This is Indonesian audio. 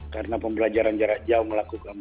karena pembelajaran jarak jauh melakukan